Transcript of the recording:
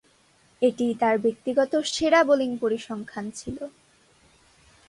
এটিই তার ব্যক্তিগত সেরা বোলিং পরিসংখ্যান ছিল।